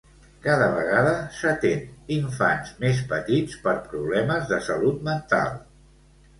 Cada vegada s'atén infants més petits per problemes de salut mental.